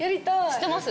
知ってます？